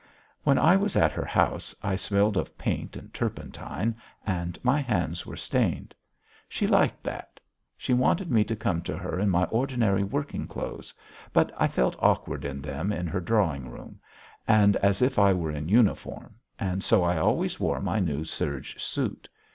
When I was at her house I smelled of paint and turpentine, and my hands were stained. She liked that. She wanted me to come to her in my ordinary working clothes; but I felt awkward in them in her drawing room, and as if I were in uniform, and so I always wore my new serge suit.